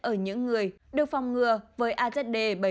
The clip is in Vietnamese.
ở những người được phòng ngừa với azd bảy nghìn bốn trăm bốn mươi hai